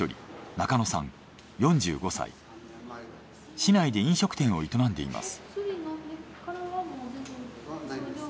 市内で飲食店を営んでいます。